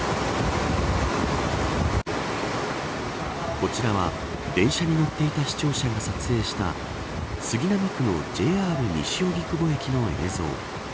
こちらは電車に乗っていた視聴者が撮影した杉並区のＪＲ西荻窪駅の映像。